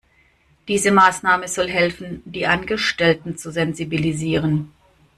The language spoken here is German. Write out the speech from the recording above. Diese Maßnahme soll helfen, die Angestellten zu sensibilisieren.